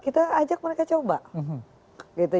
kita ajak mereka coba gitu